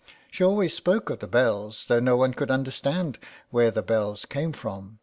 She always spoke of the bells, though no one could understand where the bells came from.